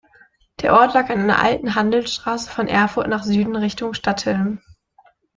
Der Ort lag an einer alten Handelsstraße von Erfurt nach Süden Richtung Stadtilm.